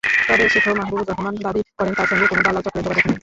তবে শেখ মাহবুবুর রহমান দাবি করেন, তাঁর সঙ্গে কোনো দালাল চক্রের যোগাযোগ নেই।